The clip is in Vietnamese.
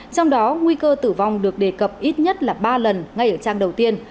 trong đó nguy cơ tử vong được đề cập ít nhất là ba lần ngay ở trang đầu tiên